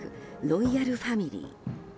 ロイヤルファミリー。